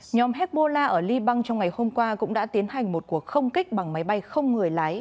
nhóm hezbollah ở liban trong ngày hôm qua cũng đã tiến hành một cuộc không kích bằng máy bay không người lái